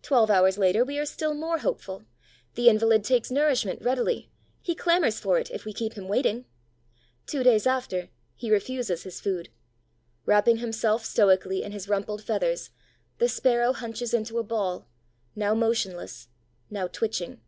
Twelve hours later, we are still more hopeful; the invalid takes nourishment readily; he clamors for it, if we keep him waiting. Two days after, he refuses his food. Wrapping himself stoically in his rumpled feathers, the Sparrow hunches into a ball, now motionless, now twitching.